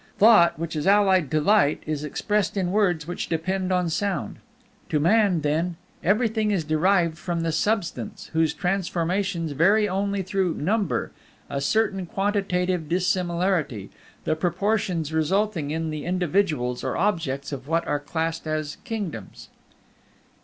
Thought, which is allied to Light, is expressed in words which depend on sound. To man, then, everything is derived from the Substance, whose transformations vary only through Number a certain quantitative dissimilarity, the proportions resulting in the individuals or objects of what are classed as Kingdoms.